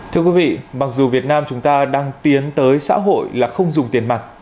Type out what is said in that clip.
thưa quý vị mặc dù việt nam chúng ta đang tiến tới xã hội là không dùng tiền mặt